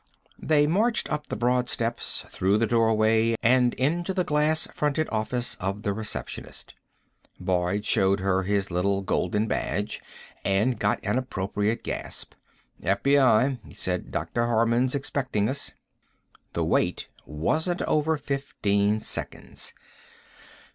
They marched up the broad steps, through the doorway and into the glass fronted office of the receptionist. Boyd showed her his little golden badge, and got an appropriate gasp. "FBI," he said. "Dr. Harman's expecting us." The wait wasn't over fifteen seconds.